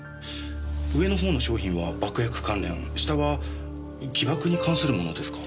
上のほうの商品は爆薬関連下は起爆に関するものですか。